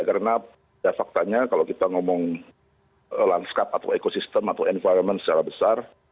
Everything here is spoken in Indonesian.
karena faktanya kalau kita ngomong lanskap atau ekosistem atau environment secara besar